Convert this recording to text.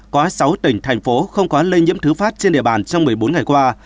có sáu tỉnh thành phố không có lây nhiễm thứ phát trên địa bàn trong một mươi bốn ngày qua